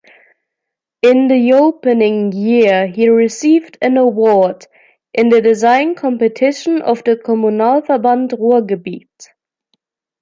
IN the opening year he received an award in the design competition of the Kommunalverband Ruhrgebiet.